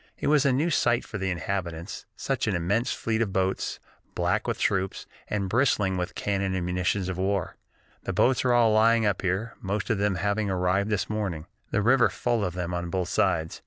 It was a new sight to the inhabitants, such an immense fleet of boats, black with troops, and bristling with cannon and munitions of war. The boats are all lying up here, most of them having arrived this morning, the river full of them on both sides.